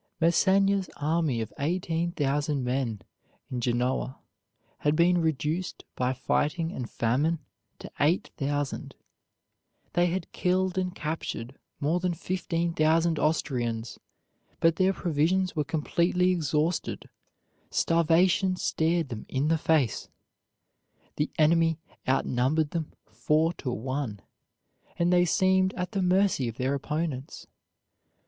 Massena's army of 18,000 men in Genoa had been reduced by fighting and famine to 8,000. They had killed and captured more than 15,000 Austrians, but their provisions were completely exhausted; starvation stared them in the face; the enemy outnumbered them four to one, and they seemed at the mercy of their opponents.